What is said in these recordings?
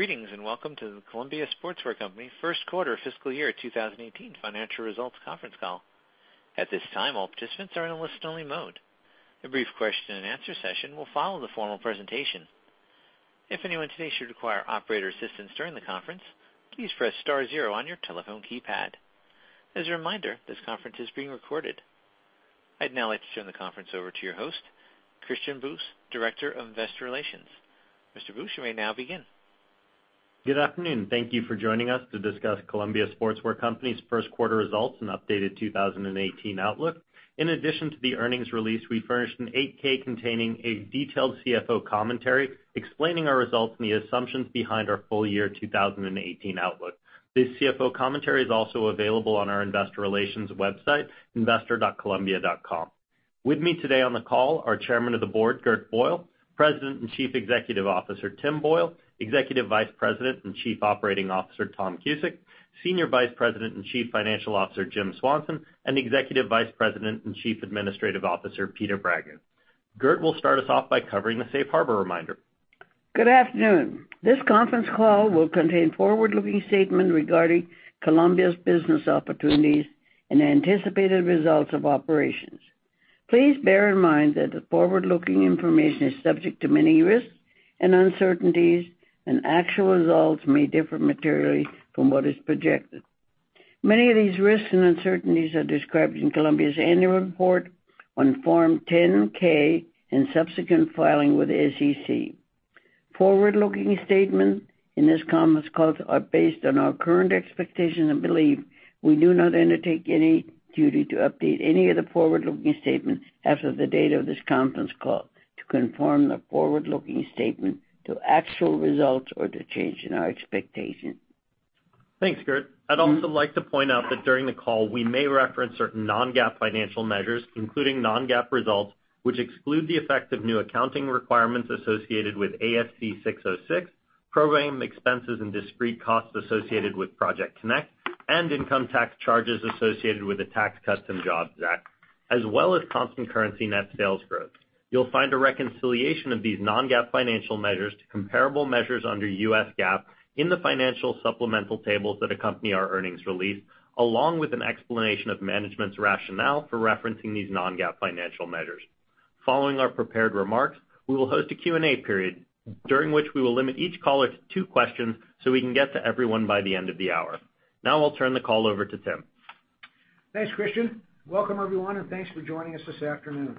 Greetings, and welcome to the Columbia Sportswear Company first quarter fiscal year 2018 financial results conference call. At this time, all participants are in listen only mode. A brief question and answer session will follow the formal presentation. If anyone today should require operator assistance during the conference, please press star zero on your telephone keypad. As a reminder, this conference is being recorded. I'd now like to turn the conference over to your host, Christian Buss, Director of Investor Relations. Mr. Buss, you may now begin. Good afternoon. Thank you for joining us to discuss Columbia Sportswear Company's first quarter results and updated 2018 outlook. In addition to the earnings release, we furnished an 8-K containing a detailed CFO commentary explaining our results and the assumptions behind our full year 2018 outlook. This CFO commentary is also available on our investor relations website, investor.columbia.com. With me today on the call are Chairman of the Board, Gert Boyle, President and Chief Executive Officer, Tim Boyle, Executive Vice President and Chief Operating Officer, Thomas Cusick, Senior Vice President and Chief Financial Officer, Jim Swanson, and Executive Vice President and Chief Administrative Officer, Peter Bragdon. Gert will start us off by covering the safe harbor reminder. Good afternoon. This conference call will contain forward-looking statements regarding Columbia's business opportunities and anticipated results of operations. Please bear in mind that the forward-looking information is subject to many risks and uncertainties, and actual results may differ materially from what is projected. Many of these risks and uncertainties are described in Columbia's annual report on Form 10-K and subsequent filing with the SEC. Forward-looking statements in this conference call are based on our current expectation and belief. We do not undertake any duty to update any of the forward-looking statements after the date of this conference call to confirm the forward-looking statement to actual results or the change in our expectation. Thanks, Gert. I'd also like to point out that during the call, we may reference certain non-GAAP financial measures, including non-GAAP results, which exclude the effect of new accounting requirements associated with ASC 606, program expenses, and discrete costs associated with Project Connect, and income tax charges associated with the Tax Cuts and Jobs Act, as well as constant currency net sales growth. You'll find a reconciliation of these non-GAAP financial measures to comparable measures under U.S. GAAP in the financial supplemental tables that accompany our earnings release, along with an explanation of management's rationale for referencing these non-GAAP financial measures. Following our prepared remarks, we will host a Q&A period, during which we will limit each caller to two questions so we can get to everyone by the end of the hour. Now I'll turn the call over to Tim. Thanks, Christian. Welcome, everyone, and thanks for joining us this afternoon.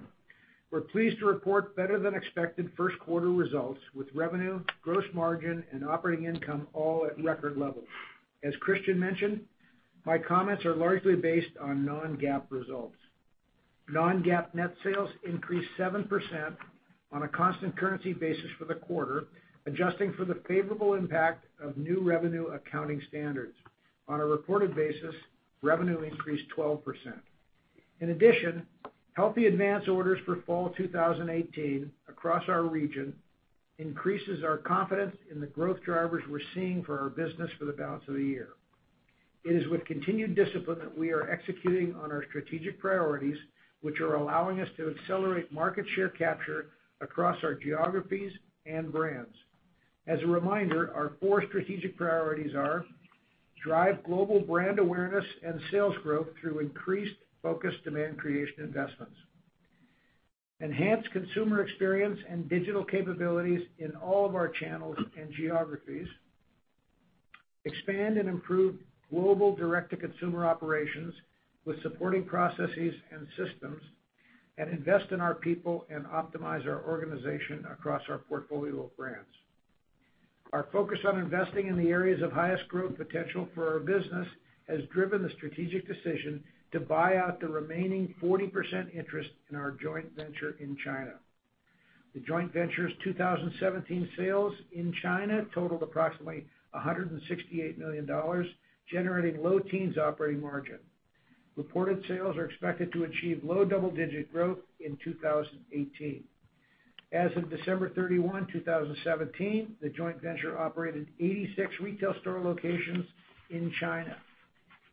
We're pleased to report better-than-expected first quarter results with revenue, gross margin, and operating income all at record levels. As Christian mentioned, my comments are largely based on non-GAAP results. Non-GAAP net sales increased 7% on a constant currency basis for the quarter, adjusting for the favorable impact of new revenue accounting standards. On a reported basis, revenue increased 12%. In addition, healthy advance orders for fall 2018 across our region increases our confidence in the growth drivers we're seeing for our business for the balance of the year. It is with continued discipline that we are executing on our strategic priorities, which are allowing us to accelerate market share capture across our geographies and brands. As a reminder, our four strategic priorities are: drive global brand awareness and sales growth through increased focused demand creation investments, enhance consumer experience and digital capabilities in all of our channels and geographies, expand and improve global direct-to-consumer operations with supporting processes and systems, and invest in our people and optimize our organization across our portfolio of brands. Our focus on investing in the areas of highest growth potential for our business has driven the strategic decision to buy out the remaining 40% interest in our joint venture in China. The joint venture's 2017 sales in China totaled approximately $168 million, generating low teens operating margin. Reported sales are expected to achieve low double-digit growth in 2018. As of December 31, 2017, the joint venture operated 86 retail store locations in China.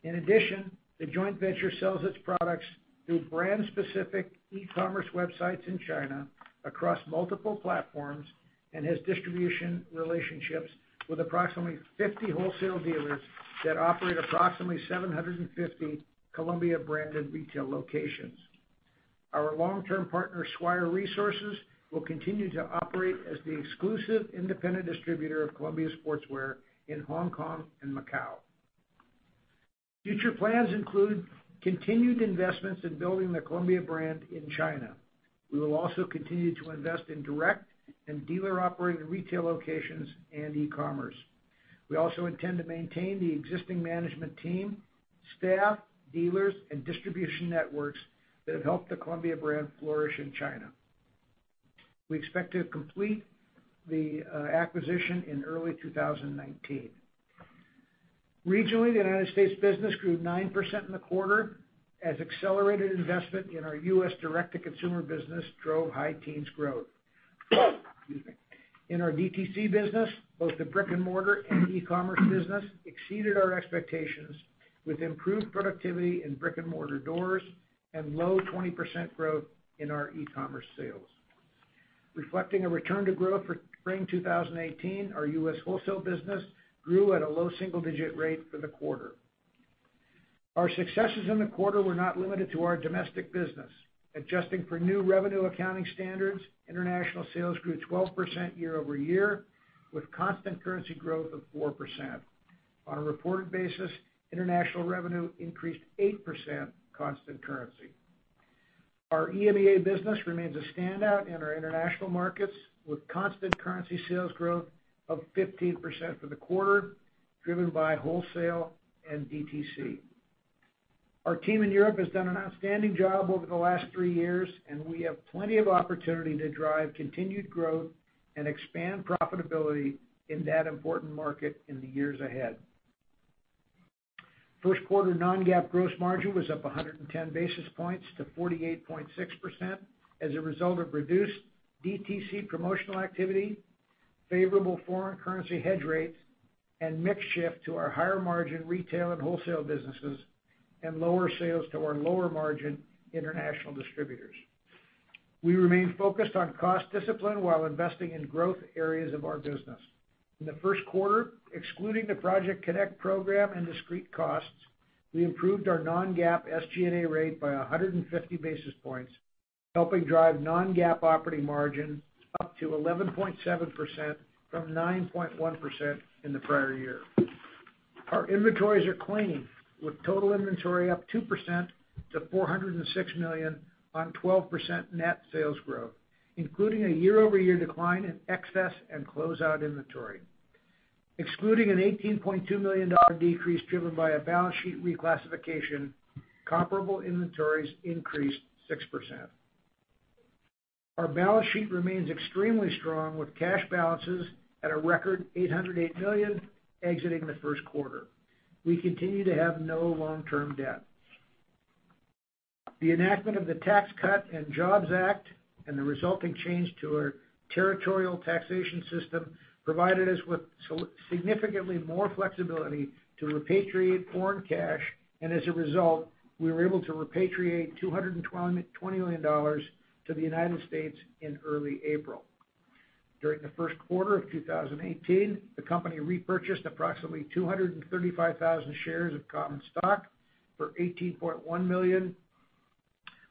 In addition, the joint venture sells its products through brand specific e-commerce websites in China across multiple platforms and has distribution relationships with approximately 50 wholesale dealers that operate approximately 750 Columbia branded retail locations. Our long-term partner, Swire Resources, will continue to operate as the exclusive independent distributor of Columbia Sportswear in Hong Kong and Macau. Future plans include continued investments in building the Columbia brand in China. We will also continue to invest in direct and dealer-operated retail locations and e-commerce. We also intend to maintain the existing management team, staff, dealers, and distribution networks that have helped the Columbia brand flourish in China. We expect to complete the acquisition in early 2019. Regionally, the U.S. business grew 9% in the quarter as accelerated investment in our U.S. direct-to-consumer business drove high teens growth. Excuse me. In our DTC business, both the brick-and-mortar and e-commerce business exceeded our expectations. With improved productivity in brick-and-mortar doors and low 20% growth in our e-commerce sales. Reflecting a return to growth for spring 2018, our U.S. wholesale business grew at a low single-digit rate for the quarter. Our successes in the quarter were not limited to our domestic business. Adjusting for new revenue accounting standards, international sales grew 12% year-over-year, with constant currency growth of 4%. On a reported basis, international revenue increased 8% constant currency. Our EMEA business remains a standout in our international markets with constant currency sales growth of 15% for the quarter, driven by wholesale and DTC. Our team in Europe has done an outstanding job over the last three years, we have plenty of opportunity to drive continued growth and expand profitability in that important market in the years ahead. First quarter non-GAAP gross margin was up 110 basis points to 48.6% as a result of reduced DTC promotional activity, favorable foreign currency hedge rates, and mix shift to our higher-margin retail and wholesale businesses, and lower sales to our lower-margin international distributors. We remain focused on cost discipline while investing in growth areas of our business. In the first quarter, excluding the Project Connect program and discrete costs, we improved our non-GAAP SG&A rate by 150 basis points, helping drive non-GAAP operating margin up to 11.7% from 9.1% in the prior year. Our inventories are cleaning, with total inventory up 2% to $406 million on 12% net sales growth, including a year-over-year decline in excess and closeout inventory. Excluding an $18.2 million decrease driven by a balance sheet reclassification, comparable inventories increased 6%. Our balance sheet remains extremely strong, with cash balances at a record $808 million exiting the first quarter. We continue to have no long-term debt. The enactment of the Tax Cuts and Jobs Act and the resulting change to our territorial taxation system provided us with significantly more flexibility to repatriate foreign cash, as a result, we were able to repatriate $220 million to the U.S. in early April. During the first quarter of 2018, the company repurchased approximately 235,000 shares of common stock for $18.1 million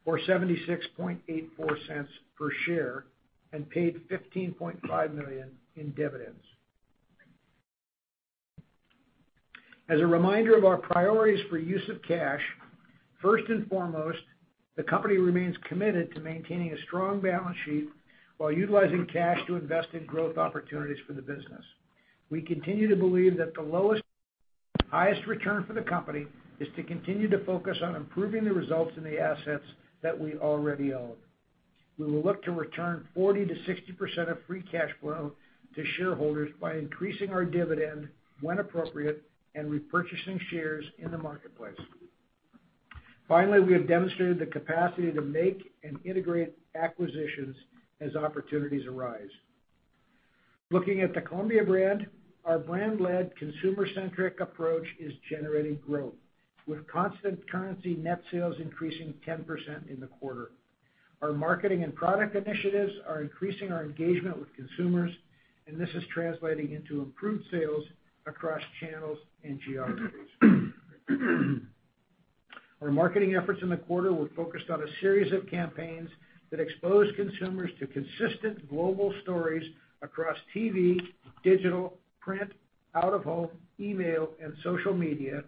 or $76.84 per share and paid $15.5 million in dividends. As a reminder of our priorities for use of cash, first and foremost, the company remains committed to maintaining a strong balance sheet while utilizing cash to invest in growth opportunities for the business. We continue to believe that the highest return for the company is to continue to focus on improving the results and the assets that we already own. We will look to return 40%-60% of free cash flow to shareholders by increasing our dividend when appropriate and repurchasing shares in the marketplace. Finally, we have demonstrated the capacity to make and integrate acquisitions as opportunities arise. Looking at the Columbia brand, our brand-led, consumer-centric approach is generating growth, with constant currency net sales increasing 10% in the quarter. Our marketing and product initiatives are increasing our engagement with consumers, this is translating into improved sales across channels and geographies. Our marketing efforts in the quarter were focused on a series of campaigns that expose consumers to consistent global stories across TV, digital, print, out-of-home, email, social media,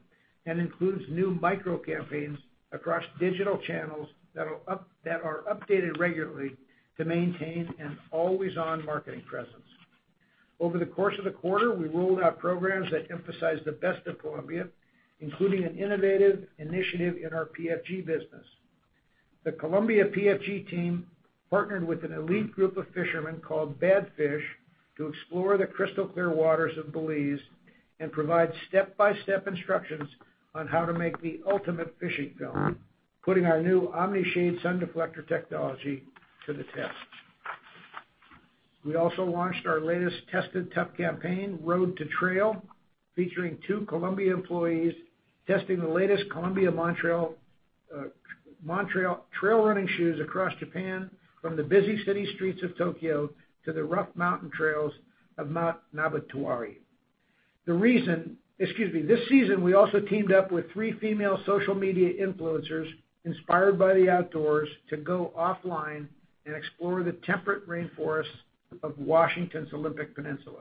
includes new micro campaigns across digital channels that are updated regularly to maintain an always-on marketing presence. Over the course of the quarter, we rolled out programs that emphasize the best of Columbia, including an innovative initiative in our PFG business. The Columbia PFG team partnered with an elite group of fishermen called Bad Fish to explore the crystal clear waters of Belize and provide step-by-step instructions on how to make the ultimate fishing film, putting our new Omni-Shade Sun Deflector technology to the test. We also launched our latest Tested Tough campaign, Road to Trail, featuring two Columbia employees testing the latest Columbia trail running shoes across Japan from the busy city streets of Tokyo to the rough mountain trails of Mount Nabewari. This season, we also teamed up with three female social media influencers inspired by the outdoors to go offline and explore the temperate rainforest of Washington's Olympic Peninsula.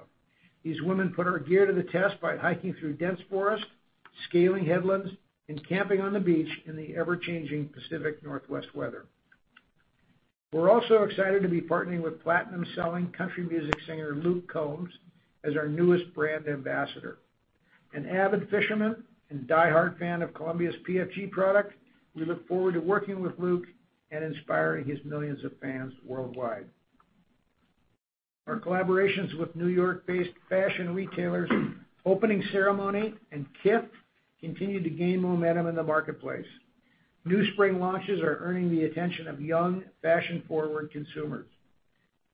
These women put our gear to the test by hiking through dense forests, scaling headlands, and camping on the beach in the ever-changing Pacific Northwest weather. We're also excited to be partnering with platinum-selling country music singer Luke Combs as our newest brand ambassador. An avid fisherman and diehard fan of Columbia's PFG product, we look forward to working with Luke and inspiring his millions of fans worldwide. Our collaborations with New York-based fashion retailers Opening Ceremony and Kith continue to gain momentum in the marketplace. New spring launches are earning the attention of young, fashion-forward consumers.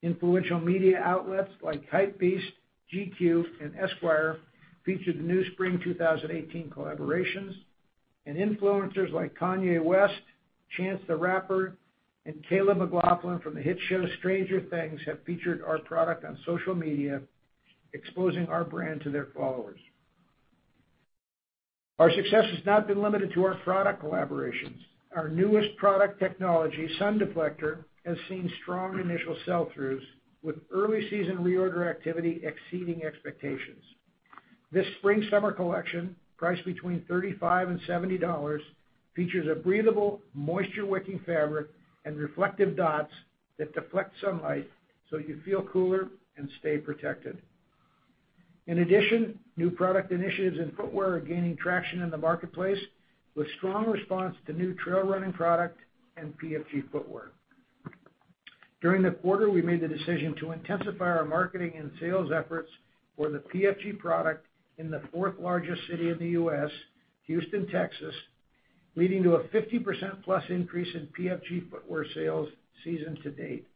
Influential media outlets like Hypebeast, GQ, and Esquire featured the new Spring 2018 collaborations. Influencers like Kanye West, Chance the Rapper, and Caleb McLaughlin from the hit show "Stranger Things" have featured our product on social media, exposing our brand to their followers. Our success has not been limited to our product collaborations. Our newest product technology, SunDeflector, has seen strong initial sell-throughs, with early season reorder activity exceeding expectations. This spring-summer collection, priced between $35 and $70, features a breathable, moisture-wicking fabric and reflective dots that deflect sunlight, so you feel cooler and stay protected. In addition, new product initiatives in footwear are gaining traction in the marketplace, with strong response to new trail running product and PFG footwear. During the quarter, we made the decision to intensify our marketing and sales efforts for the PFG product in the fourth-largest city in the U.S., Houston, Texas, leading to a 50%-plus increase in PFG footwear sales season to date.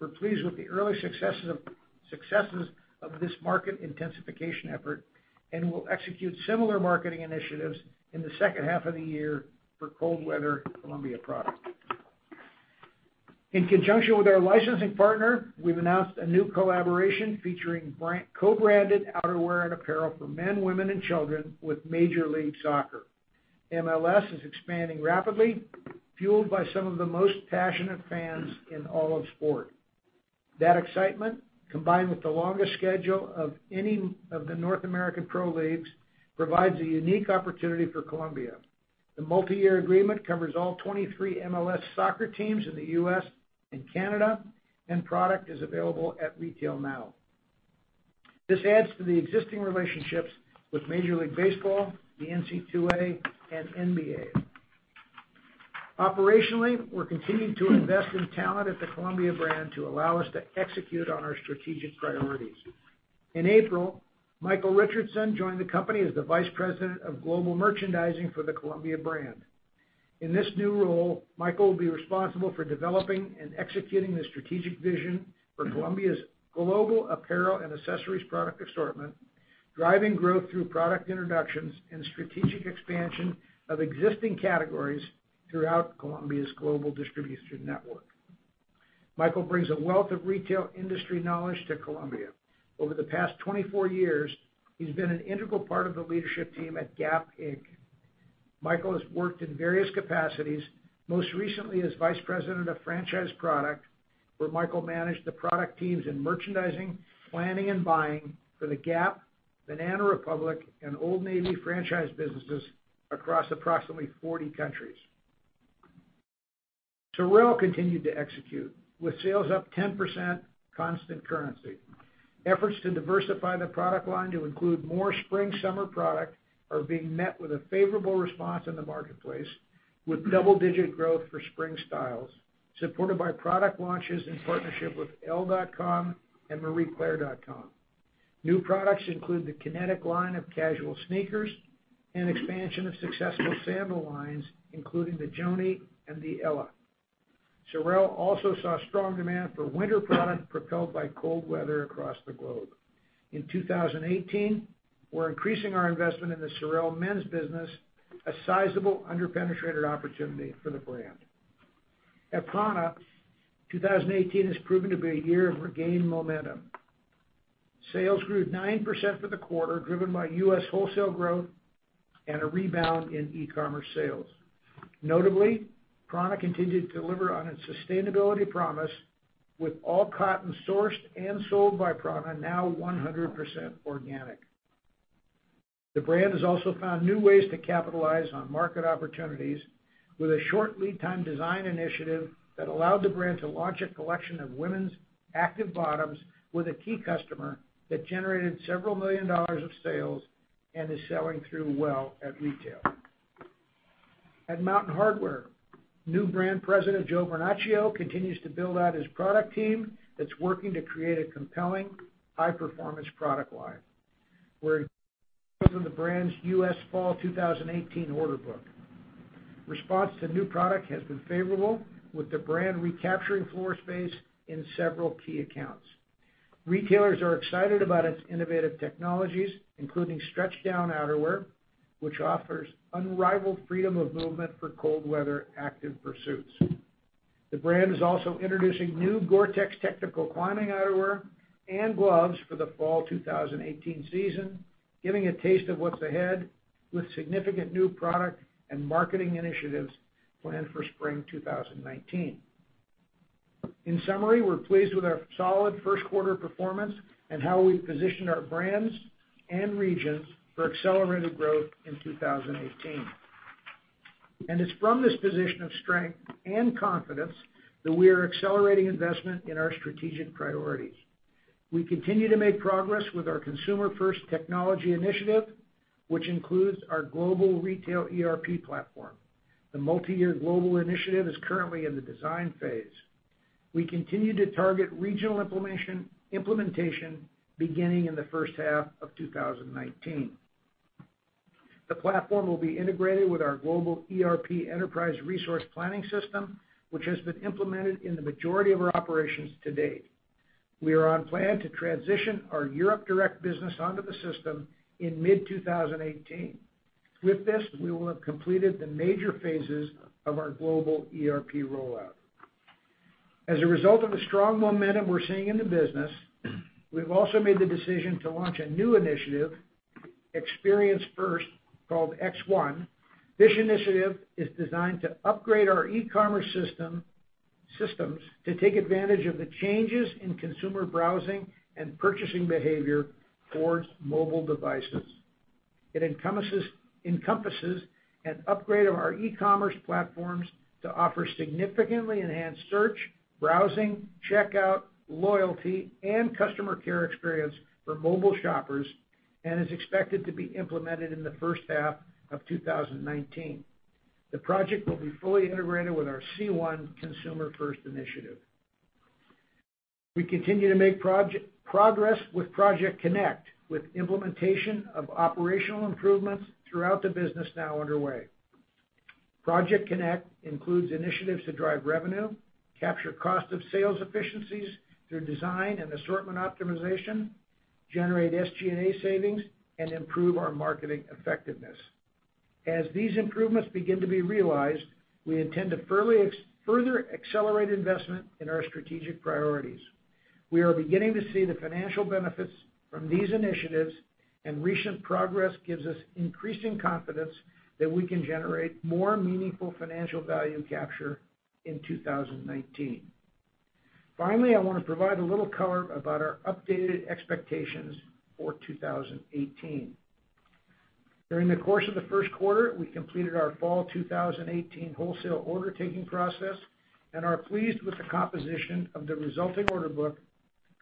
We're pleased with the early successes of this market intensification effort, and we'll execute similar marketing initiatives in the second half of the year for cold weather Columbia products. In conjunction with our licensing partner, we've announced a new collaboration featuring co-branded outerwear and apparel for men, women, and children with Major League Soccer. MLS is expanding rapidly, fueled by some of the most passionate fans in all of sport. That excitement, combined with the longest schedule of any of the North American pro leagues, provides a unique opportunity for Columbia. The multi-year agreement covers all 23 MLS soccer teams in the U.S. and Canada, and product is available at retail now. This adds to the existing relationships with Major League Baseball, the NCAA, and NBA. Operationally, we're continuing to invest in talent at the Columbia brand to allow us to execute on our strategic priorities. In April, Michael Richardson joined the company as the Vice President of Global Merchandising for the Columbia brand. In this new role, Michael will be responsible for developing and executing the strategic vision for Columbia's global apparel and accessories product assortment, driving growth through product introductions and strategic expansion of existing categories throughout Columbia's global distribution network. Michael brings a wealth of retail industry knowledge to Columbia. Over the past 24 years, he's been an integral part of the leadership team at Gap, Inc. Michael has worked in various capacities, most recently as Vice President of Franchised Product, where Michael managed the product teams in merchandising, planning, and buying for the Gap, Banana Republic, and Old Navy franchise businesses across approximately 40 countries. SOREL continued to execute, with sales up 10% constant currency. Efforts to diversify the product line to include more spring/summer product are being met with a favorable response in the marketplace, with double-digit growth for spring styles, supported by product launches in partnership with elle.com and marieclaire.com. New products include the Kinetic line of casual sneakers and expansion of successful sandal lines, including the Joanie and the Ella. SOREL also saw strong demand for winter product propelled by cold weather across the globe. In 2018, we're increasing our investment in the SOREL men's business, a sizable under-penetrated opportunity for the brand. At prAna, 2018 has proven to be a year of regained momentum. Sales grew 9% for the quarter, driven by U.S. wholesale growth and a rebound in e-commerce sales. Notably, prAna continued to deliver on its sustainability promise, with all cotton sourced and sold by prAna now 100% organic. The brand has also found new ways to capitalize on market opportunities with a short lead time design initiative that allowed the brand to launch a collection of women's active bottoms with a key customer that generated several million dollars of sales and is selling through well at retail. At Mountain Hardwear, new brand president Joe Boyle continues to build out his product team that's working to create a compelling high-performance product line. We're the brand's U.S. fall 2018 order book. Response to new product has been favorable, with the brand recapturing floor space in several key accounts. Retailers are excited about its innovative technologies, including StretchDown outerwear, which offers unrivaled freedom of movement for cold weather active pursuits. The brand is also introducing new GORE-TEX technical climbing outerwear and gloves for the fall 2018 season, giving a taste of what's ahead with significant new product and marketing initiatives planned for spring 2019. In summary, we're pleased with our solid first quarter performance and how we've positioned our brands and regions for accelerated growth in 2018. It's from this position of strength and confidence that we are accelerating investment in our strategic priorities. We continue to make progress with our Consumer First technology initiative, which includes our global retail ERP platform. The multi-year global initiative is currently in the design phase. We continue to target regional implementation beginning in the first half of 2019. The platform will be integrated with our global ERP enterprise resource planning system, which has been implemented in the majority of our operations to date. We are on plan to transition our Europe direct business onto the system in mid-2018. With this, we will have completed the major phases of our global ERP rollout. As a result of the strong momentum we're seeing in the business, we've also made the decision to launch a new initiative, Experience First, called X1. This initiative is designed to upgrade our e-commerce systems to take advantage of the changes in consumer browsing and purchasing behavior towards mobile devices. It encompasses an upgrade of our e-commerce platforms to offer significantly enhanced search, browsing, checkout, loyalty, and customer care experience for mobile shoppers, and is expected to be implemented in the first half of 2019. The project will be fully integrated with our C1 Consumer First initiative. We continue to make progress with Project Connect, with implementation of operational improvements throughout the business now underway. Project Connect includes initiatives to drive revenue, capture cost of sales efficiencies through design and assortment optimization, generate SG&A savings, and improve our marketing effectiveness. As these improvements begin to be realized, we intend to further accelerate investment in our strategic priorities. We are beginning to see the financial benefits from these initiatives, and recent progress gives us increasing confidence that we can generate more meaningful financial value capture in 2019. Finally, I want to provide a little color about our updated expectations for 2018. During the course of the first quarter, we completed our fall 2018 wholesale order taking process and are pleased with the composition of the resulting order book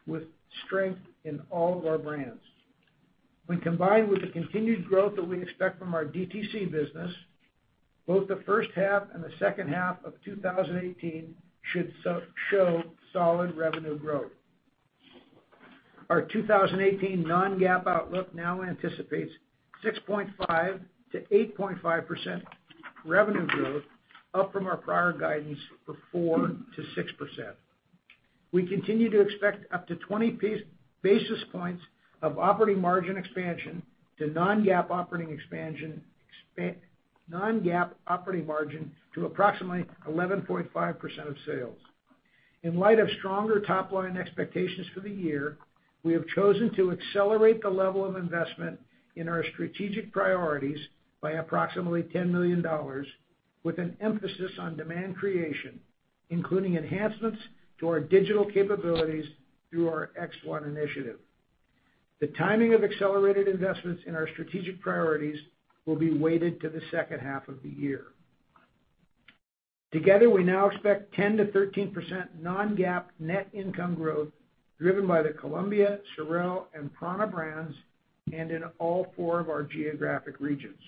with strength in all of our brands. When combined with the continued growth that we expect from our DTC business, both the first half and the second half of 2018 should show solid revenue growth. Our 2018 non-GAAP outlook now anticipates 6.5%-8.5% revenue growth, up from our prior guidance of 4%-6%. We continue to expect up to 20 basis points of operating margin expansion to non-GAAP operating margin to approximately 11.5% of sales. In light of stronger top-line expectations for the year, we have chosen to accelerate the level of investment in our strategic priorities by approximately $10 million with an emphasis on demand creation, including enhancements to our digital capabilities through our X1 initiative. The timing of accelerated investments in our strategic priorities will be weighted to the second half of the year. Together, we now expect 10%-13% non-GAAP net income growth driven by the Columbia, SOREL, and prAna brands, and in all four of our geographic regions.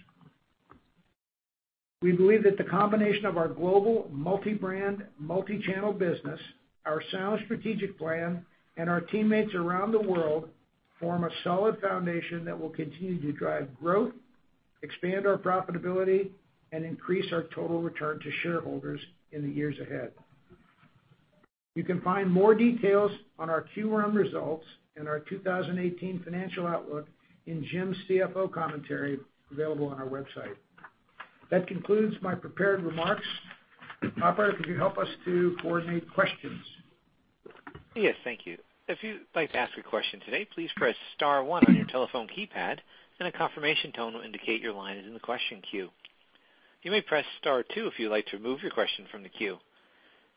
We believe that the combination of our global multi-brand, multi-channel business, our sound strategic plan, and our teammates around the world form a solid foundation that will continue to drive growth, expand our profitability, and increase our total return to shareholders in the years ahead. You can find more details on our Q1 results and our 2018 financial outlook in Jim's CFO commentary available on our website. That concludes my prepared remarks. Operator, could you help us to coordinate questions? Yes, thank you. If you'd like to ask a question today, please press *1 on your telephone keypad, and a confirmation tone will indicate your line is in the question queue. You may press *2 if you'd like to remove your question from the queue.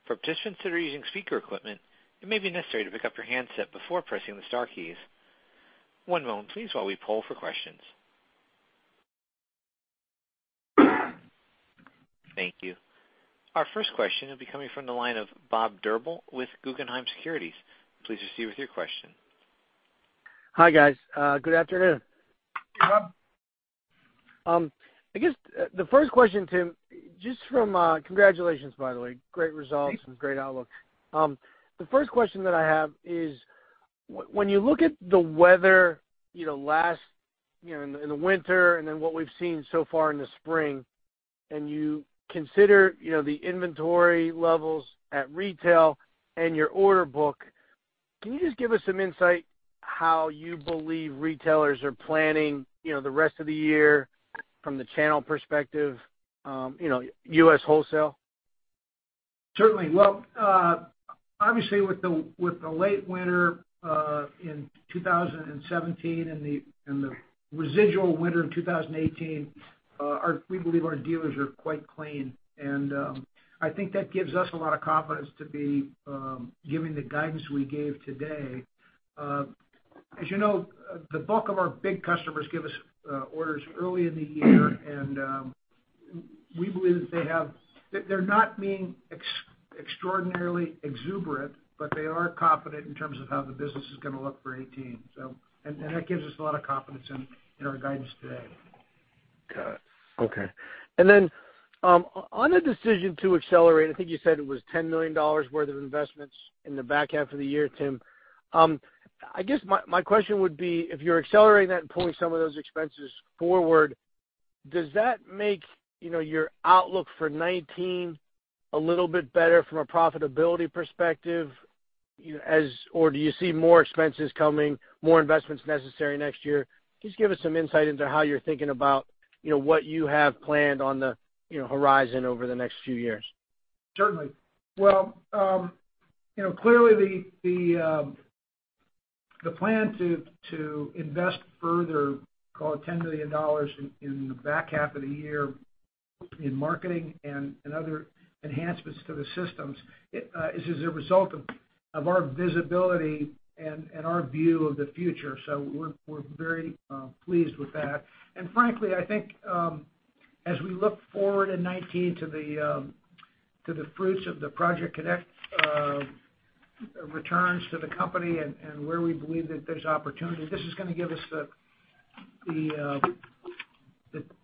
For participants that are using speaker equipment, it may be necessary to pick up your handset before pressing the star keys. One moment please while we poll for questions. Thank you. Our first question will be coming from the line of Bob Drbul with Guggenheim Securities. Please proceed with your question. Hi, guys. Good afternoon. Hey, Bob. I guess the first question, Tim, congratulations, by the way. Great results. Thanks. Great outlook. The first question that I have is, when you look at the weather in the winter and then what we've seen so far in the spring, and you consider the inventory levels at retail and your order book, can you just give us some insight how you believe retailers are planning the rest of the year from the channel perspective, U.S. wholesale? Certainly. Well, obviously with the late winter in 2017 and the residual winter in 2018, we believe our dealers are quite clean. I think that gives us a lot of confidence to be giving the guidance we gave today. As you know, the bulk of our big customers give us orders early in the year, and we believe that they're not being extraordinarily exuberant, but they are confident in terms of how the business is going to look for 2018. That gives us a lot of confidence in our guidance today. Got it. Okay. On the decision to accelerate, I think you said it was $10 million worth of investments in the back half of the year, Tim. I guess my question would be, if you're accelerating that and pulling some of those expenses forward, does that make your outlook for 2019 a little bit better from a profitability perspective? Do you see more expenses coming, more investments necessary next year? Just give us some insight into how you're thinking about what you have planned on the horizon over the next few years. Certainly. Well, clearly the plan to invest further, call it $10 million in the back half of the year in marketing and other enhancements to the systems, is as a result of our visibility and our view of the future. We're very pleased with that. Frankly, I think as we look forward in 2019 to the fruits of the Project Connect returns to the company and where we believe that there's opportunity, this is going to give us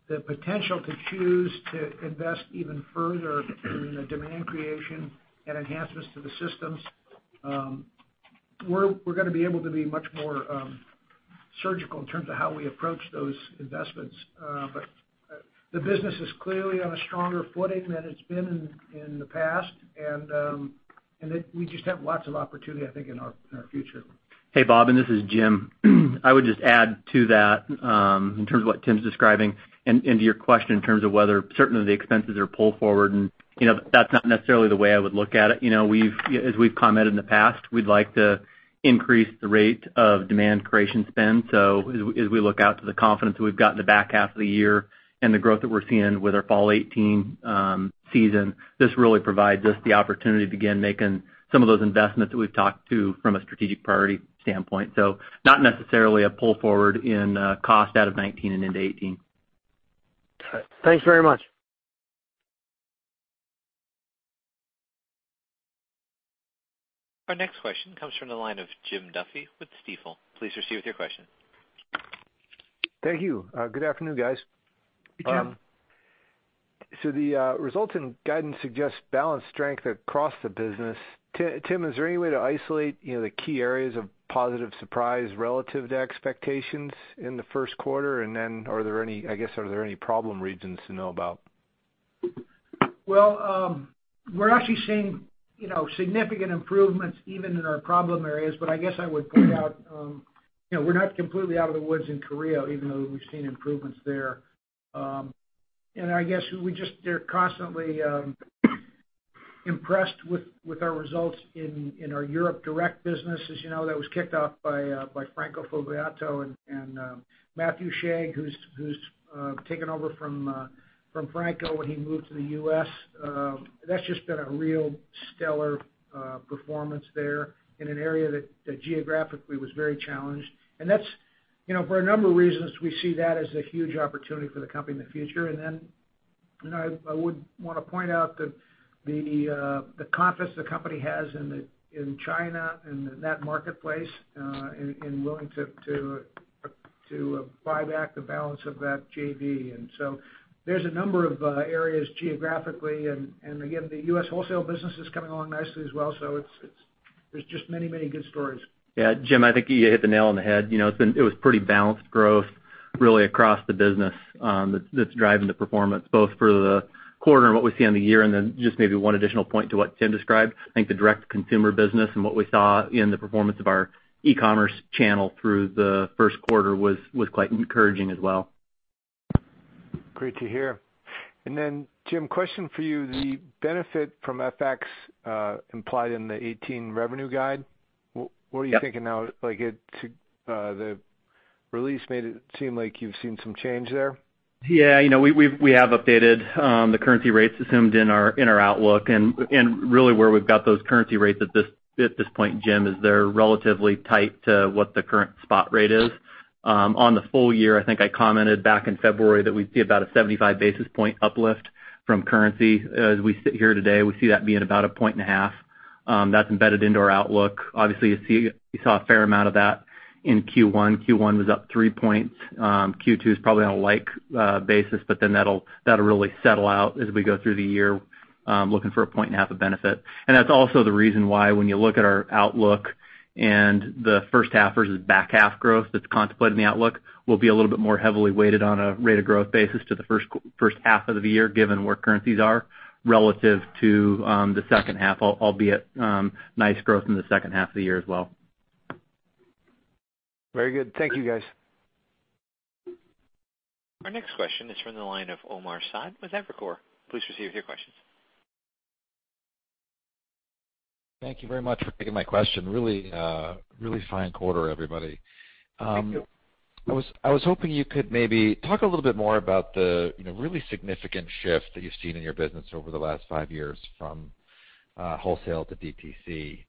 the potential to choose to invest even further in the demand creation and enhancements to the systems. We're going to be able to be much more surgical in terms of how we approach those investments. The business is clearly on a stronger footing than it's been in the past, and that we just have lots of opportunity, I think, in our future. Hey, Bob, and this is Jim. I would just add to that, in terms of what Tim's describing and to your question in terms of whether certainly the expenses are pulled forward and that's not necessarily the way I would look at it. As we've commented in the past, we'd like to increase the rate of demand creation spend. As we look out to the confidence we've got in the back half of the year and the growth that we're seeing with our fall 2018 season, this really provides us the opportunity to begin making some of those investments that we've talked to from a strategic priority standpoint. Not necessarily a pull forward in cost out of 2019 and into 2018. Got it. Thanks very much. Our next question comes from the line of Jim Duffy with Stifel. Please proceed with your question. Thank you. Good afternoon, guys. Hey, Jim. The results and guidance suggests balanced strength across the business. Tim, is there any way to isolate the key areas of positive surprise relative to expectations in the first quarter? Are there any problem regions to know about? Well, we're actually seeing significant improvements even in our problem areas. I guess I would point out, we're not completely out of the woods in Korea, even though we've seen improvements there. I guess we just are constantly impressed with our results in our Europe direct business. As you know, that was kicked off by Franco Fogliato and Matthieu Schegg, who's taken over from Franco when he moved to the U.S. That's just been a real stellar performance there in an area that geographically was very challenged. For a number of reasons, we see that as a huge opportunity for the company in the future. I would want to point out that the confidence the company has in China and in that marketplace, and willing to buy back the balance of that JV. There's a number of areas geographically, and again, the U.S. wholesale business is coming along nicely as well. There's just many good stories. Yeah, Jim, I think you hit the nail on the head. It was pretty balanced growth really across the business that's driving the performance, both for the quarter and what we see on the year. Just maybe one additional point to what Tim described. I think the direct-to-consumer business and what we saw in the performance of our e-commerce channel through the first quarter was quite encouraging as well. Great to hear. Jim, question for you. The benefit from FX implied in the 2018 revenue guide, what are you thinking now? The release made it seem like you've seen some change there. Yeah. We have updated the currency rates assumed in our outlook, really where we've got those currency rates at this point, Jim, is they're relatively tight to what the current spot rate is. On the full year, I think I commented back in February that we'd see about a 75 basis points uplift from currency. As we sit here today, we see that being about a point and a half. That's embedded into our outlook. Obviously, you saw a fair amount of that in Q1. Q1 was up three points. Q2 is probably on a like basis, that'll really settle out as we go through the year, looking for a point and a half of benefit. That's also the reason why when you look at our outlook and the first half versus back half growth that's contemplated in the outlook, we'll be a little bit more heavily weighted on a rate of growth basis to the first half of the year, given where currencies are relative to the second half, albeit nice growth in the second half of the year as well. Very good. Thank you guys. Our next question is from the line of Omar Saad with Evercore. Please proceed with your questions. Thank you very much for taking my question. Really fine quarter, everybody. Thank you. I was hoping you could maybe talk a little bit more about the really significant shift that you've seen in your business over the last five years from wholesale to DTC.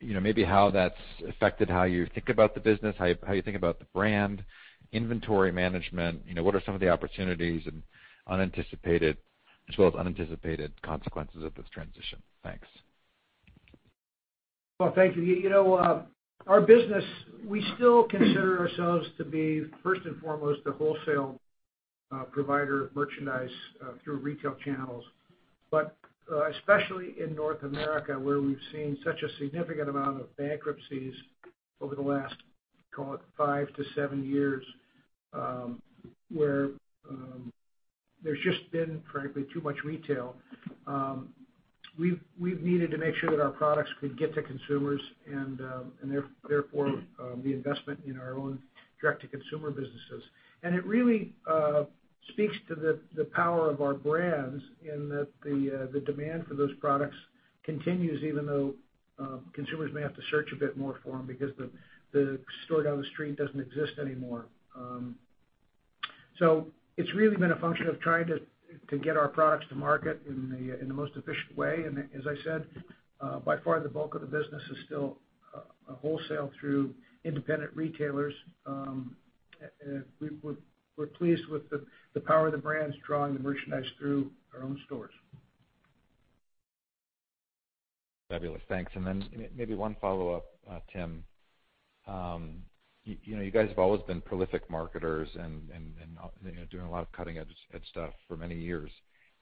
Maybe how that's affected how you think about the business, how you think about the brand, inventory management. What are some of the opportunities as well as unanticipated consequences of this transition? Thanks. Well, thank you. Our business, we still consider ourselves to be, first and foremost, a wholesale provider of merchandise through retail channels. Especially in North America, where we've seen such a significant amount of bankruptcies over the last, call it 5 to 7 years, where there's just been, frankly, too much retail. We've needed to make sure that our products could get to consumers, and therefore, the investment in our own direct-to-consumer businesses. It really speaks to the power of our brands in that the demand for those products continues, even though consumers may have to search a bit more for them because the store down the street doesn't exist anymore. It's really been a function of trying to get our products to market in the most efficient way. As I said, by far, the bulk of the business is still a wholesale through independent retailers. We're pleased with the power of the brands drawing the merchandise through our own stores. Fabulous. Thanks. Maybe one follow-up, Tim. You guys have always been prolific marketers and doing a lot of cutting-edge stuff for many years.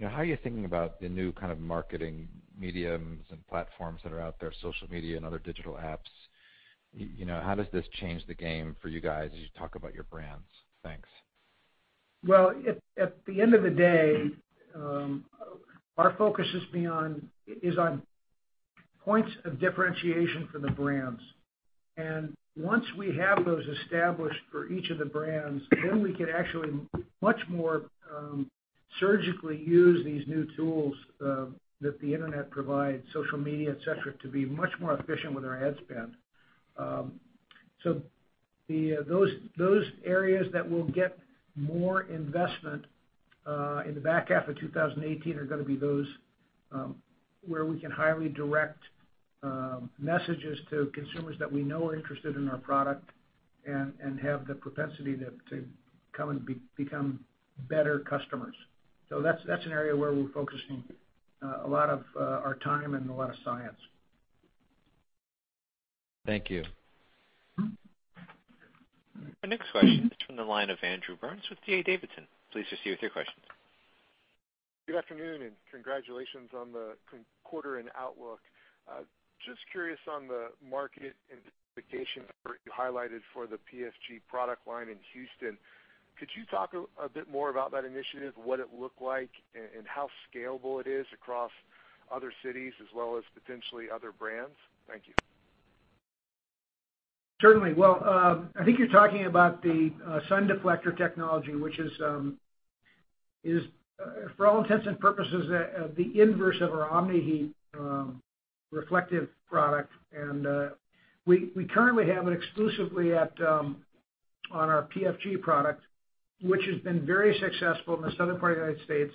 How are you thinking about the new kind of marketing mediums and platforms that are out there, social media and other digital apps? How does this change the game for you guys as you talk about your brands? Thanks. Well, at the end of the day, our focus is on points of differentiation for the brands. Once we have those established for each of the brands, then we can actually much more surgically use these new tools that the internet provides, social media, et cetera, to be much more efficient with our ad spend. Those areas that will get more investment in the back half of 2018 are going to be those where we can highly direct messages to consumers that we know are interested in our product and have the propensity to come and become better customers. That's an area where we're focusing a lot of our time and a lot of science. Thank you. The next question is from the line of Andrew Burns with D.A. Davidson. Please proceed with your questions. Good afternoon, and congratulations on the quarter and outlook. Just curious on the market expectations where you highlighted for the PFG product line in Houston. Could you talk a bit more about that initiative, what it looked like, and how scalable it is across other cities as well as potentially other brands? Thank you. Certainly. Well, I think you're talking about the sun deflector technology, which is, for all intents and purposes, the inverse of our Omni-Heat reflective product. We currently have it exclusively on our PFG product, which has been very successful in the southern part of the United States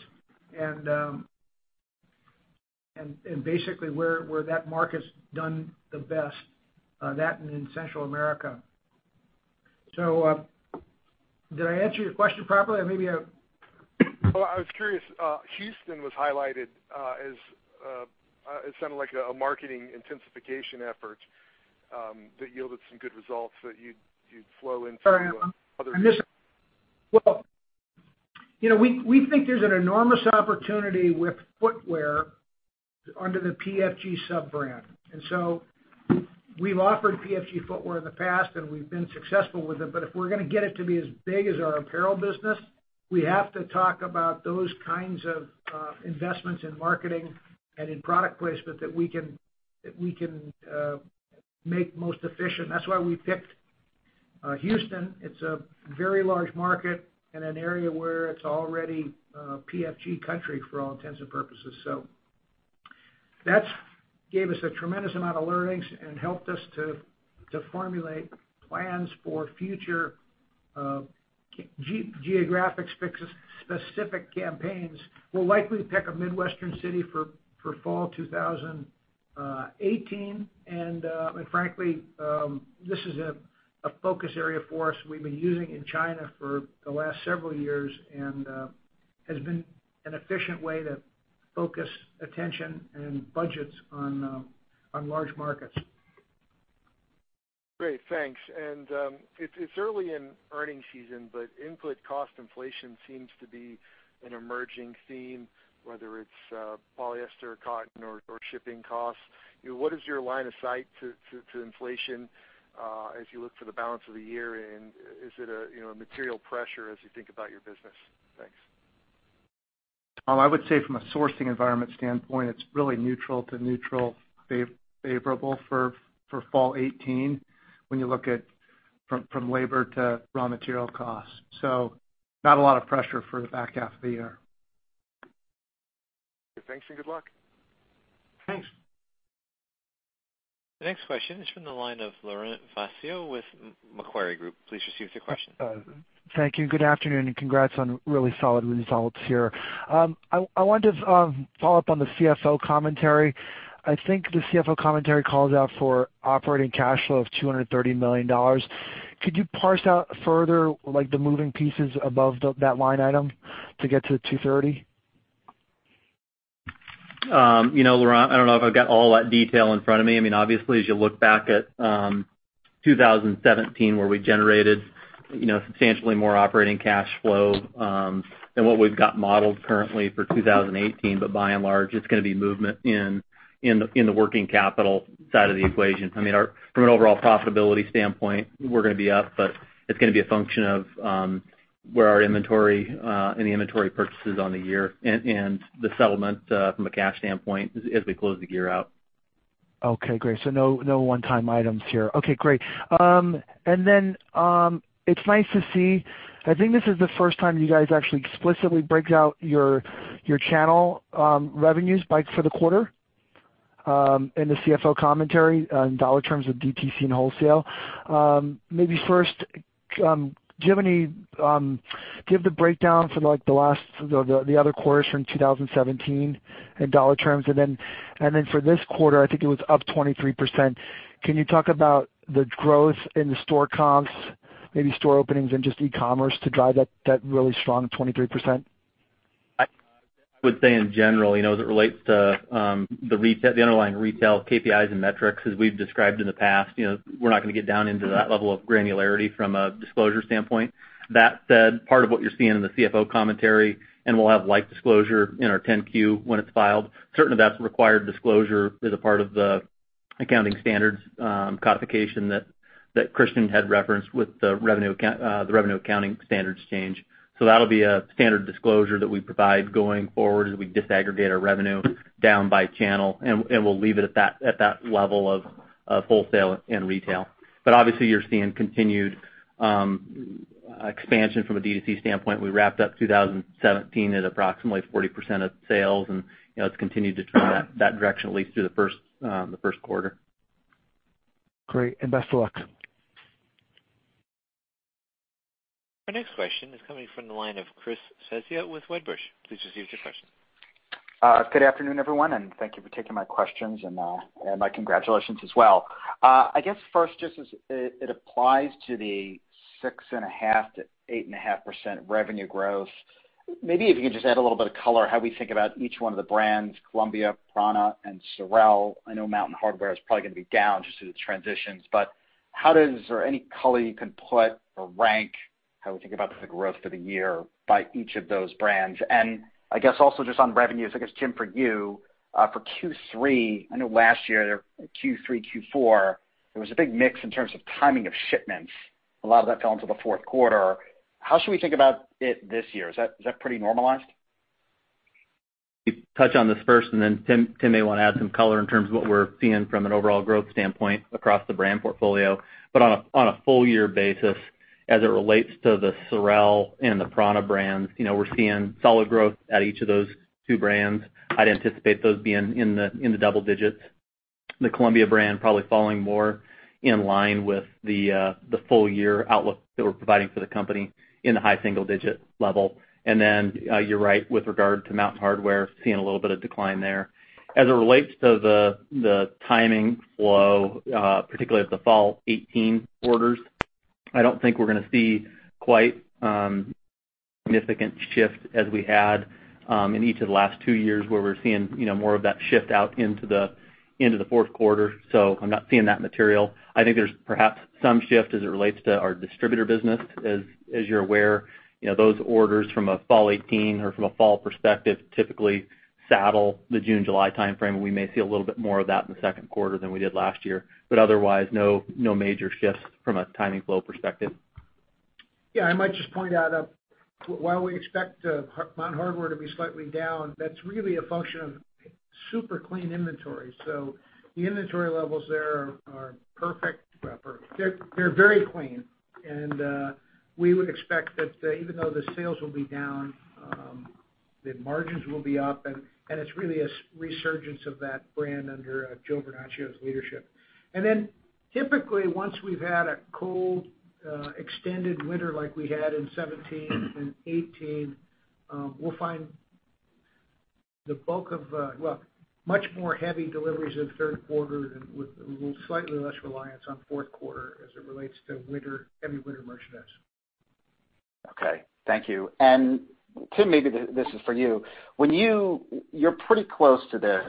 and basically where that market's done the best, that and in Central America. Did I answer your question properly? Well, I was curious. Houston was highlighted as it sounded like a marketing intensification effort that yielded some good results that you'd flow into other. Well, we think there's an enormous opportunity with footwear under the PFG sub-brand. We've offered PFG footwear in the past, and we've been successful with it. If we're going to get it to be as big as our apparel business, we have to talk about those kinds of investments in marketing and in product placement that we can make most efficient. That's why we picked Houston. It's a very large market in an area where it's already PFG country, for all intents and purposes. That gave us a tremendous amount of learnings and helped us to formulate plans for future geographic specific campaigns. We'll likely pick a Midwestern city for fall 2018. Frankly, this is a focus area for us. We've been using in China for the last several years and has been an efficient way to focus attention and budgets on large markets. Great. Thanks. It's early in earnings season, but input cost inflation seems to be an emerging theme, whether it's polyester, cotton, or shipping costs. What is your line of sight to inflation as you look to the balance of the year? Is it a material pressure as you think about your business? Thanks. I would say from a sourcing environment standpoint, it's really neutral to neutral favorable for fall 2018 when you look at from labor to raw material costs. Not a lot of pressure for the back half of the year. Okay, thanks, and good luck. Thanks. The next question is from the line of Laurent Vasilescu with Macquarie Group. Please proceed with your question. Thank you. Good afternoon, and congrats on really solid results here. I wanted to follow up on the CFO commentary. I think the CFO commentary calls out for operating cash flow of $230 million. Could you parse out further, like, the moving pieces above that line item to get to $230? Laurent, I don't know if I've got all that detail in front of me. Obviously, as you look back at 2017, where we generated substantially more operating cash flow than what we've got modeled currently for 2018. By and large, it's going to be movement in the working capital side of the equation. From an overall profitability standpoint, we're going to be up, but it's going to be a function of where our inventory and the inventory purchases on the year, and the settlement from a cash standpoint as we close the year out. Okay, great. No one-time items here. Okay, great. It's nice to see I think this is the first time you guys actually explicitly break out your channel revenues for the quarter in the CFO commentary in dollar terms of DTC and wholesale. Maybe first, do you have the breakdown for the other quarters from 2017 in dollar terms? For this quarter, I think it was up 23%. Can you talk about the growth in the store comps, maybe store openings and just e-commerce to drive that really strong 23%? I would say in general, as it relates to the underlying retail KPIs and metrics as we've described in the past, we're not going to get down into that level of granularity from a disclosure standpoint. That said, part of what you're seeing in the CFO commentary, and we'll have light disclosure in our 10-Q when it's filed. Certainly, that's required disclosure as a part of the accounting standards codification that Christian had referenced with the revenue accounting standards change. That'll be a standard disclosure that we provide going forward as we disaggregate our revenue down by channel, and we'll leave it at that level of wholesale and retail. Obviously you're seeing continued expansion from a DTC standpoint. We wrapped up 2017 at approximately 40% of sales, and it's continued to trend in that direction, at least through the first quarter. Great, best of luck. Our next question is coming from the line of Chris Svezia with Wedbush. Please proceed with your question. Good afternoon, everyone, thank you for taking my questions, my congratulations as well. I guess first, just as it applies to the 6.5%-8.5% revenue growth. Maybe if you could just add a little bit of color how we think about each one of the brands, Columbia, prAna, and SOREL. I know Mountain Hardwear is probably going to be down just through the transitions. Is there any color you can put or rank how we think about the growth for the year by each of those brands? I guess also just on revenues, I guess, Tim, for you. For Q3, I know last year, Q3, Q4, there was a big mix in terms of timing of shipments. A lot of that fell into the fourth quarter. How should we think about it this year? Is that pretty normalized? I'll touch on this first, then Tim may want to add some color in terms of what we're seeing from an overall growth standpoint across the brand portfolio. On a full year basis, as it relates to the SOREL and the prAna brands, we're seeing solid growth at each of those two brands. I'd anticipate those being in the double digits. The Columbia brand probably falling more in line with the full-year outlook that we're providing for the company in the high single digit level. Then, you're right with regard to Mountain Hardwear, seeing a little bit of decline there. As it relates to the timing flow, particularly with the fall 2018 orders, I don't think we're going to see quite a significant shift as we had in each of the last two years where we're seeing more of that shift out into the fourth quarter. I'm not seeing that material. I think there's perhaps some shift as it relates to our distributor business. As you're aware, those orders from a fall 2018 or from a fall perspective, typically saddle the June, July timeframe, and we may see a little bit more of that in the second quarter than we did last year. Otherwise, no major shifts from a timing flow perspective. I might just point out, while we expect Mountain Hardwear to be slightly down, that's really a function of super clean inventory. The inventory levels there are perfect. They're very clean, and we would expect that even though the sales will be down, the margins will be up, and it's really a resurgence of that brand under Joe Boyle's leadership. Then typically, once we've had a cold, extended winter like we had in 2017 and 2018, we'll find much more heavy deliveries in the third quarter with slightly less reliance on fourth quarter as it relates to heavy winter merchandise. Okay. Thank you. Tim, maybe this is for you. You're pretty close to this.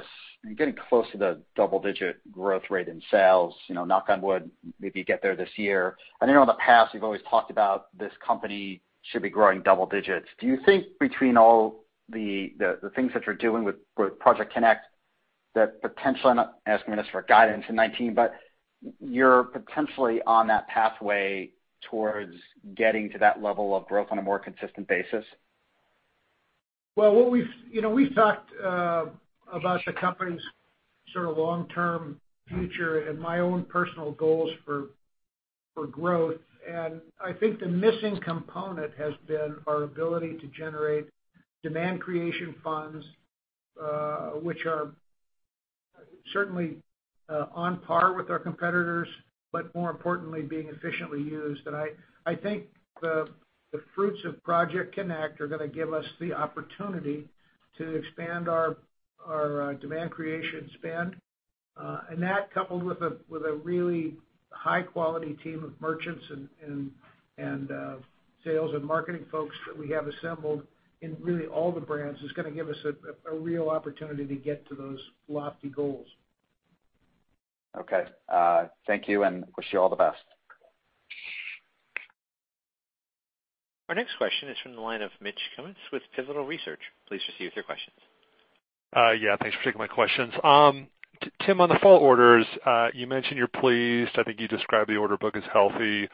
You're getting close to the double-digit growth rate in sales. Knock on wood, maybe you get there this year. I know in the past, you've always talked about this company should be growing double digits. Do you think between all the things that you're doing with Project Connect, that potentially, I'm not asking this for guidance in 2019, but you're potentially on that pathway towards getting to that level of growth on a more consistent basis? Well, we've talked about the company's sort of long-term future and my own personal goals for growth. I think the missing component has been our ability to generate demand creation funds, which are certainly on par with our competitors, but more importantly, being efficiently used. That coupled with a really high quality team of merchants and sales and marketing folks that we have assembled in really all the brands, is going to give us a real opportunity to get to those lofty goals. Okay. Thank you. Wish you all the best. Our next question is from the line of Mitch Kummetz with Pivotal Research. Please proceed with your questions. Thanks for taking my questions. Tim, on the fall orders, you mentioned you're pleased. I think you described the order book as healthy.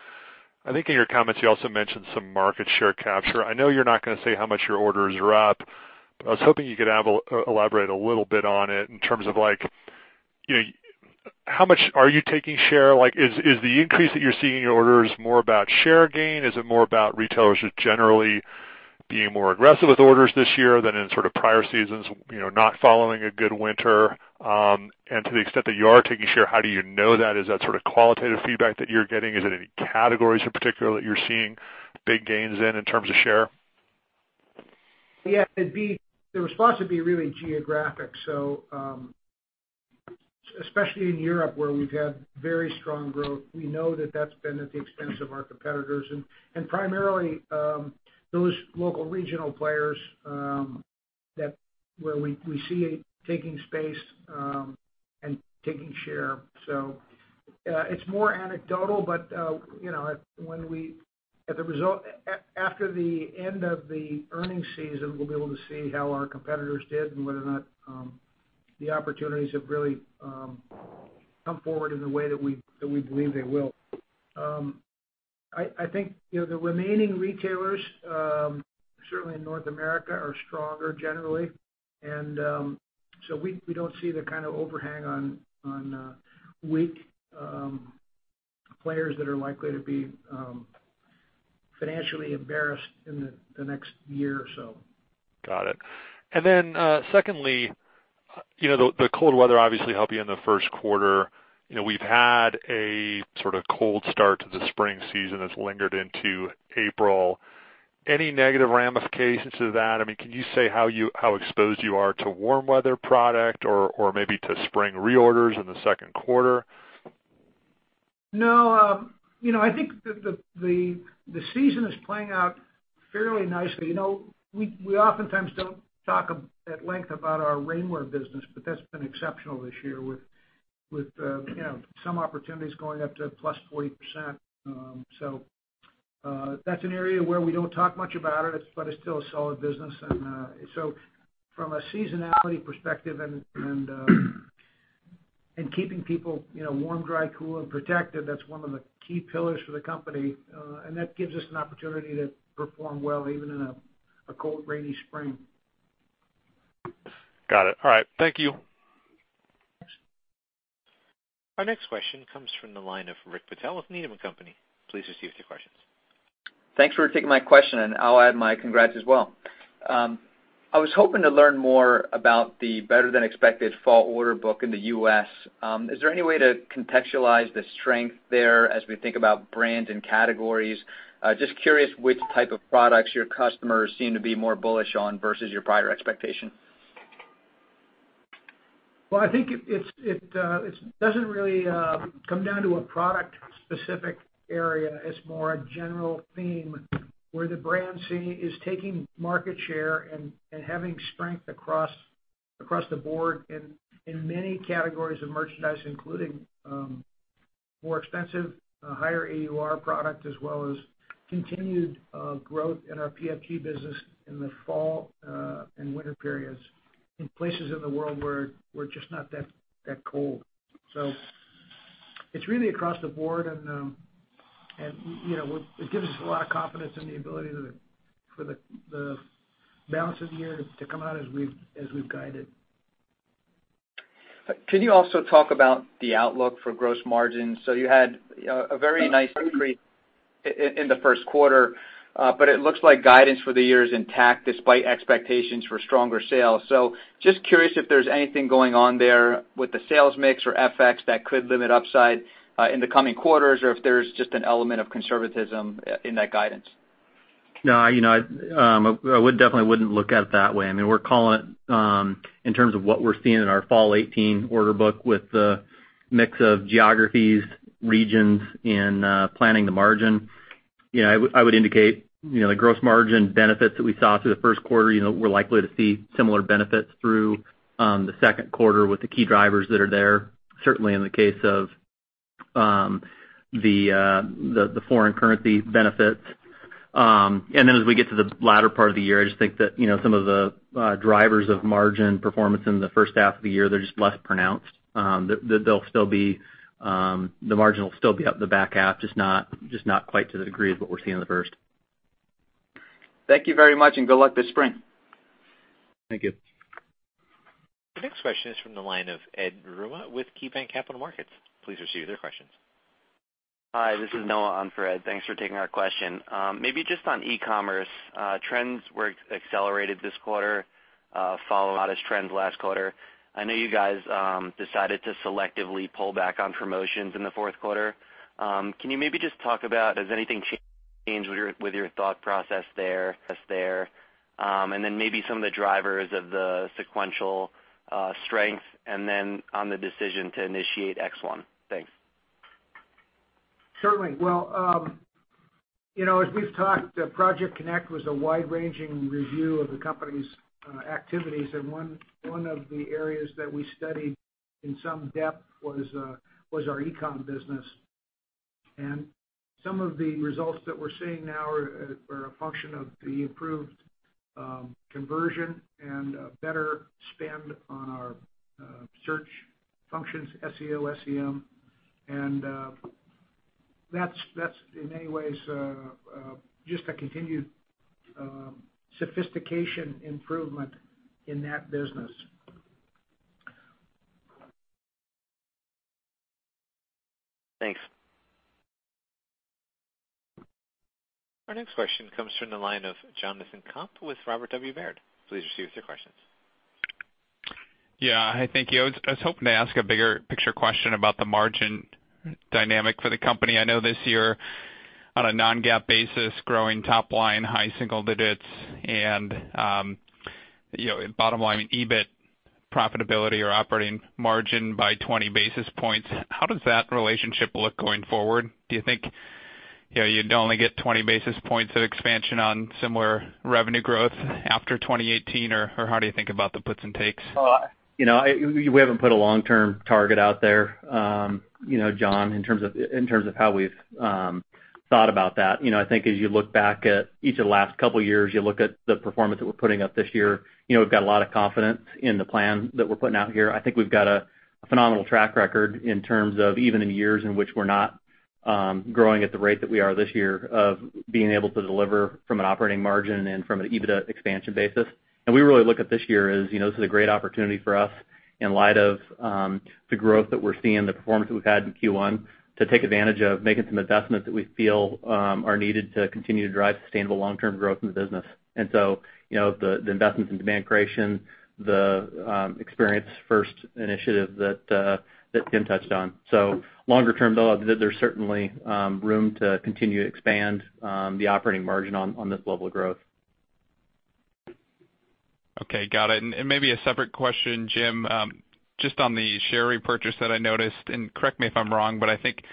I think in your comments, you also mentioned some market share capture. I know you're not going to say how much your orders are up, but I was hoping you could elaborate a little bit on it in terms of how much are you taking share? Is the increase that you're seeing in your orders more about share gain? Is it more about retailers just generally being more aggressive with orders this year than in sort of prior seasons, not following a good winter? To the extent that you are taking share, how do you know that? Is that sort of qualitative feedback that you're getting? Is it any categories in particular that you're seeing big gains in terms of share? Yeah. The response would be really geographic. Especially in Europe where we've had very strong growth. We know that that's been at the expense of our competitors and primarily, those local regional players where we see it taking space and taking share. It's more anecdotal. After the end of the earnings season, we'll be able to see how our competitors did and whether or not the opportunities have really come forward in the way that we believe they will. I think the remaining retailers, certainly in North America, are stronger generally. We don't see the kind of overhang on weak players that are likely to be financially embarrassed in the next year or so. Got it. Secondly, the cold weather obviously helped you in the first quarter. We've had a sort of cold start to the spring season that's lingered into April. Any negative ramifications of that? Can you say how exposed you are to warm weather product or maybe to spring reorders in the second quarter? No. I think the season is playing out fairly nicely. We oftentimes don't talk at length about our rainwear business, but that's been exceptional this year with some opportunities going up to +40%. That's an area where we don't talk much about it, but it's still a solid business. From a seasonality perspective and keeping people warm, dry, cool, and protected, that's one of the key pillars for the company. That gives us an opportunity to perform well even in a cold, rainy spring. Got it. All right. Thank you. Our next question comes from the line of Rick Patel with Needham & Company. Please proceed with your questions. Thanks for taking my question. I'll add my congrats as well. I was hoping to learn more about the better than expected fall order book in the U.S. Is there any way to contextualize the strength there as we think about brands and categories? Just curious which type of products your customers seem to be more bullish on versus your prior expectation. Well, I think it doesn't really come down to a product specific area. It's more a general theme where the brand is taking market share and having strength across the board in many categories of merchandise, including more expensive, higher AUR product, as well as continued growth in our PFG business in the fall and winter periods in places in the world where it's just not that cold. It's really across the board, and it gives us a lot of confidence in the ability for the balance of the year to come out as we've guided. Can you also talk about the outlook for gross margins? You had a very nice increase in the first quarter. It looks like guidance for the year is intact despite expectations for stronger sales. Just curious if there's anything going on there with the sales mix or FX that could limit upside in the coming quarters, or if there's just an element of conservatism in that guidance. No. I would definitely wouldn't look at it that way. I mean, we're calling it in terms of what we're seeing in our fall 2018 order book with the mix of geographies, regions in planning the margin. I would indicate the gross margin benefits that we saw through the first quarter, we're likely to see similar benefits through the second quarter with the key drivers that are there, certainly in the case of the foreign currency benefits. As we get to the latter part of the year, I just think that some of the drivers of margin performance in the first half of the year, they're just less pronounced. The margin will still be up the back half, just not quite to the degree of what we're seeing in the first. Thank you very much, and good luck this spring. Thank you. The next question is from the line of Edward Yruma with KeyBanc Capital Markets. Please proceed with your questions. Hi, this is Noah on for Ed. Thanks for taking our question. Maybe just on e-commerce. Trends were accelerated this quarter, follow out as trends last quarter. I know you guys decided to selectively pull back on promotions in the fourth quarter. Can you maybe just talk about has anything changed with your thought process there. Then maybe some of the drivers of the sequential strength, and then on the decision to initiate X1. Thanks. Certainly. Well, as we've talked, Project Connect was a wide-ranging review of the company's activities, and one of the areas that we studied in some depth was our e-com business. Some of the results that we're seeing now are a function of the improved conversion and a better spend on our search functions, SEO, SEM. That's, in many ways, just a continued sophistication improvement in that business. Thanks. Our next question comes from the line of Jonathan Komp with Robert W. Baird. Please proceed with your questions. Yeah, thank you. I was hoping to ask a bigger picture question about the margin dynamic for the company. I know this year, on a non-GAAP basis, growing top line high single digits and bottom line EBIT profitability or operating margin by 20 basis points. How does that relationship look going forward? Do you think you'd only get 20 basis points of expansion on similar revenue growth after 2018, or how do you think about the puts and takes? We haven't put a long-term target out there, John, in terms of how we've thought about that. I think as you look back at each of the last couple years, you look at the performance that we're putting up this year. We've got a lot of confidence in the plan that we're putting out here. I think we've got a phenomenal track record in terms of even in years in which we're not growing at the rate that we are this year, of being able to deliver from an operating margin and from an EBITDA expansion basis. We really look at this year as, this is a great opportunity for us in light of the growth that we're seeing, the performance that we've had in Q1, to take advantage of making some investments that we feel are needed to continue to drive sustainable long-term growth in the business. The investments in demand creation, the Experience First initiative that Tim touched on. Longer term, though, there's certainly room to continue to expand the operating margin on this level of growth. Okay. Got it. Maybe a separate question, Jim, just on the share repurchase that I noticed, and correct me if I'm wrong, but I think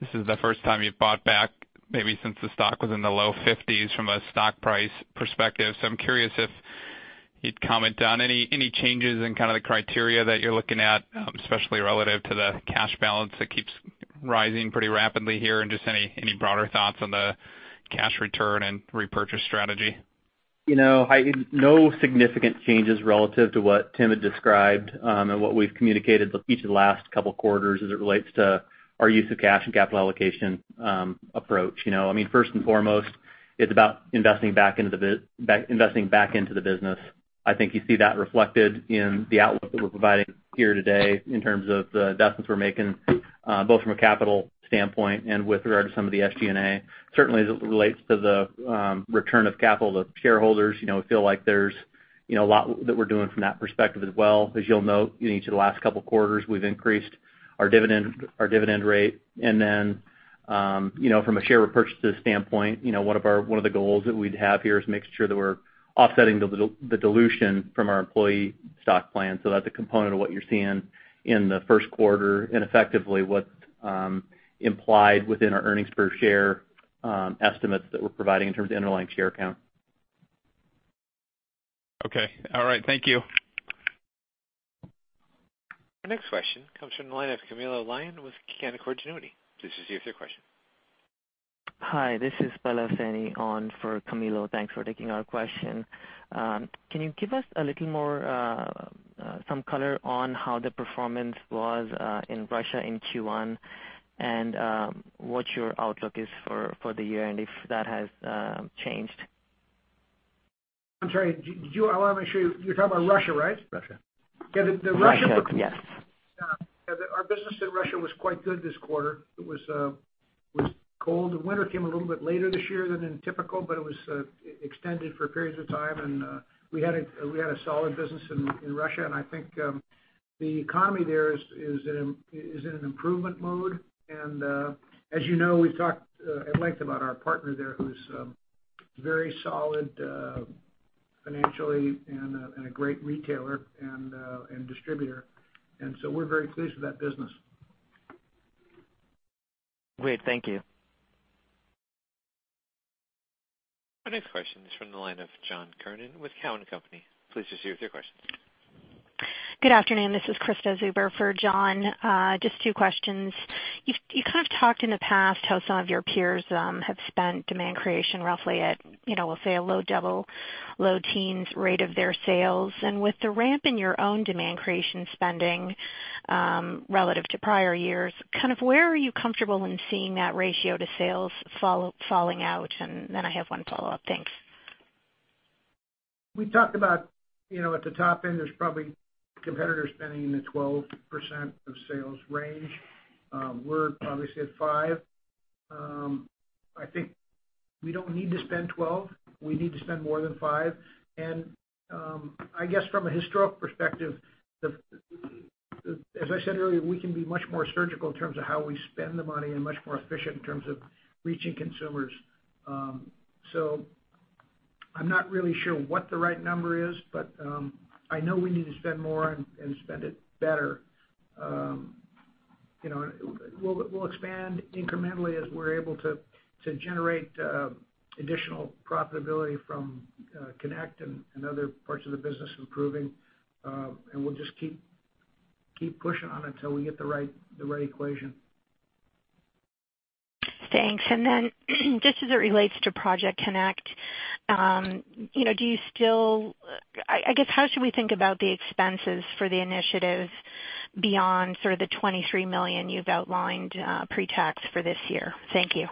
this is the first time you've bought back maybe since the stock was in the low 50s from a stock price perspective. I'm curious if you'd comment on any changes in the criteria that you're looking at, especially relative to the cash balance that keeps rising pretty rapidly here, and just any broader thoughts on the cash return and repurchase strategy. No significant changes relative to what Tim had described, and what we've communicated each of the last couple of quarters as it relates to our use of cash and capital allocation approach. First and foremost, it's about investing back into the business. I think you see that reflected in the outlook that we're providing here today in terms of the investments we're making, both from a capital standpoint and with regard to some of the SG&A. Certainly, as it relates to the return of capital to shareholders, we feel like there's a lot that we're doing from that perspective as well. As you'll note, in each of the last couple of quarters, we've increased our dividend rate. Then from a share repurchase standpoint, one of the goals that we'd have here is making sure that we're offsetting the dilution from our employee stock plan. That's a component of what you're seeing in the first quarter, and effectively what's implied within our earnings per share estimates that we're providing in terms of underlying share count. Okay. All right. Thank you. Our next question comes from the line of Camilo Lyon with Canaccord Genuity. Please proceed with your question. Hi, this is Pallav Saini on for Camilo. Thanks for taking our question. Can you give us some color on how the performance was in Russia in Q1, and what your outlook is for the year, and if that has changed? I'm sorry. I want to make sure, you're talking about Russia, right? Russia. Okay. The Russia- Russia. Yes. Yeah. Our business in Russia was quite good this quarter. It was cold. The winter came a little bit later this year than in typical, but it was extended for periods of time, and we had a solid business in Russia. I think the economy there is in an improvement mode. As you know, we've talked at length about our partner there who's very solid financially and a great retailer and distributor. We're very pleased with that business. Great. Thank you. Our next question is from the line of John Kernan with Cowen and Company. Please proceed with your question. Good afternoon. This is Krista Zuber for John. Just two questions. You kind of talked in the past how some of your peers have spent demand creation roughly at, we'll say a low double, low teens rate of their sales. With the ramp in your own demand creation spending relative to prior years, where are you comfortable in seeing that ratio to sales falling out? I have one follow-up. Thanks. We talked about, at the top end, there's probably competitors spending in the 12% of sales range. We're obviously at 5%. I think we don't need to spend 12%. We need to spend more than 5%. I guess from a historic perspective, as I said earlier, we can be much more surgical in terms of how we spend the money and much more efficient in terms of reaching consumers. I'm not really sure what the right number is, but I know we need to spend more and spend it better. We'll expand incrementally as we're able to generate additional profitability from Connect and other parts of the business improving. We'll just keep pushing on it till we get the right equation. Thanks. Just as it relates to Project Connect, I guess how should we think about the expenses for the initiatives beyond sort of the $23 million you've outlined pre-tax for this year? Thank you.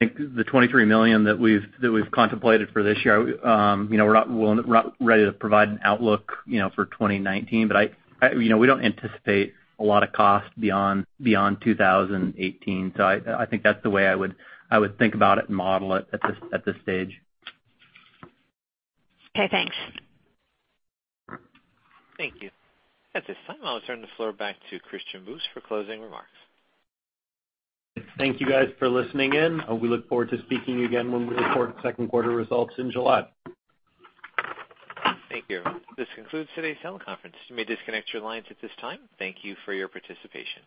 I think the $23 million that we've contemplated for this year, we're not ready to provide an outlook for 2019, but we don't anticipate a lot of cost beyond 2018. I think that's the way I would think about it and model it at this stage. Okay, thanks. Thank you. At this time, I'll turn the floor back to Christian Buss for closing remarks. Thank you guys for listening in. We look forward to speaking again when we report second quarter results in July. Thank you. This concludes today's teleconference. You may disconnect your lines at this time. Thank you for your participation.